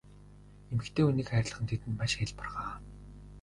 Эмэгтэй хүнийг хайрлах нь тэдэнд маш хялбархан.